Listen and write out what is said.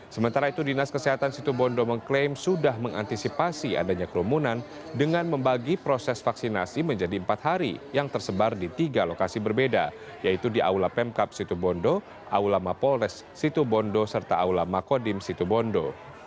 sementara itu dinas kesehatan situbondo mengklaim sudah mengantisipasi adanya kerumunan dengan membagi proses vaksinasi menjadi empat hari yang tersebar di tiga lokasi berbeda yaitu di aula pemkap situbondo aula mapolres situbondo serta aula makodim situbondo